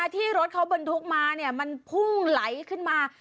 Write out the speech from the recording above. ที่รถเขาบรรทุกมามันพุ่งไหลขึ้นมา